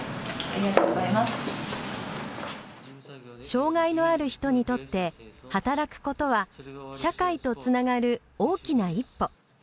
障がいのある人にとって働くことは社会とつながる大きな一歩。